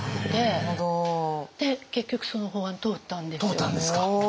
通ったんですか。